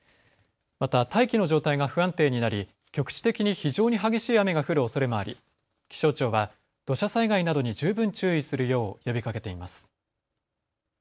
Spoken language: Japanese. また大気の状態が不安定になり局地的に非常に激しい雨が降るおそれもあり気象庁は土砂災害などに十分注意するよう呼びかけています。